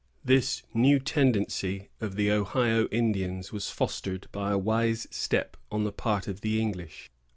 This new tendency of the Ohio Indians was fostered by a wise step on the part of the English.